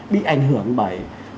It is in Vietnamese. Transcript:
bị ảnh hưởng bởi